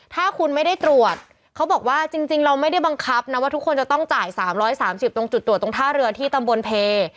ถ้าคุณไม่ได้ตรวจเขาบอกว่าจริงเราไม่ได้บังคับนะว่าทุกคนจะต้องจ่าย๓๓๐ตรงจุดตรวจตรงท่าเรือที่ตำบลเพ